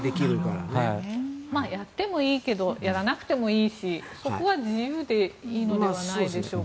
やってもいいけどやらなくてもいいしそこは自由でいいのではないでしょうか。